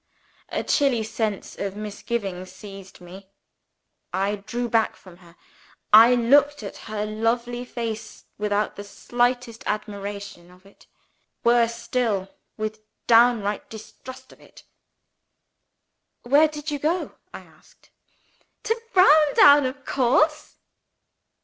A chilly sense of misgiving seized me. I drew back from her. I looked at her lovely face without the slightest admiration of it worse still, with downright distrust of it. "Where did you go?" I asked. "To Browndown, of course!"